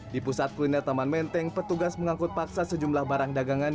di pusat kuliner taman menteng petugas mengangkut paksa sejumlah barang dagangan